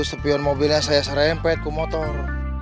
sepion mobilnya saya serempet ke motor